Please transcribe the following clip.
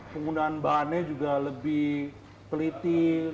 penggunaan bahannya juga lebih teliti lebih high end